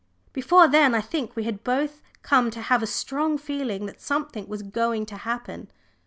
Before then I think we had both come to have a strong feeling that something was going to happen.